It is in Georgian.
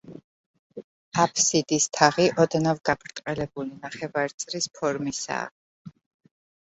აფსიდის თაღი ოდნავ გაბრტყელებული ნახევარწრის ფორმისაა.